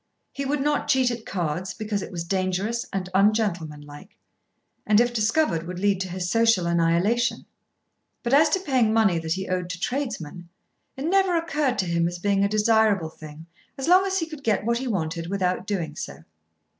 He would not cheat at cards because it was dangerous and ungentlemanlike, and if discovered would lead to his social annihilation; but as to paying money that he owed to tradesmen, it never occurred to him as being a desirable thing as long as he could get what he wanted without doing so.